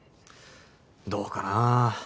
どうかな。